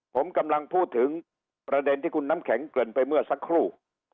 ผมกำลังพูดถึงประเด็นที่คุณน้ำแข็งเกริ่นไปเมื่อสักครู่